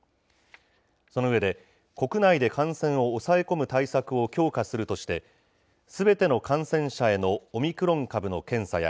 その上で、国内で感染を抑え込む対策を強化するとして、すべての感染者へのオミクロン株の検査や、